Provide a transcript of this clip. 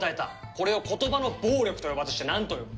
これを言葉の暴力と呼ばずしてなんと呼ぶ！？